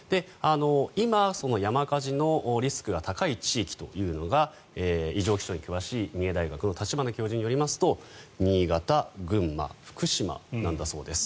今、その山火事のリスクが高い地域というのが異常気象に詳しい三重大学の立花教授によりますと新潟、群馬福島なんだそうです。